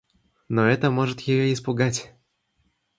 Но это может её испугать.